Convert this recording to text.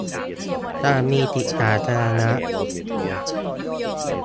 การมีจิตสาธารณะ